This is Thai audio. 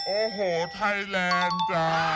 โอ้โหไทยแลนด์จ้า